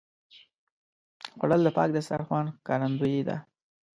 خوړل د پاک دسترخوان ښکارندویي ده